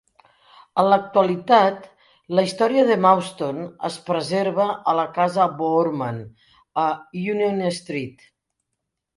En l'actualitat, la història de Mauston es preserva a la casa Boorman, a Union Street.